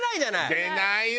出ないわ。